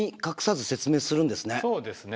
そうですね。